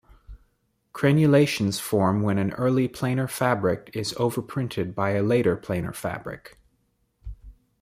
Crenulations form when an early planar fabric is overprinted by a later planar fabric.